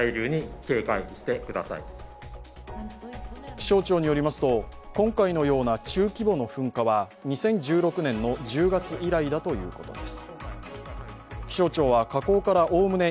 気象庁によりますと今回のような中規模な噴火は２０１６年１０月以来だということです。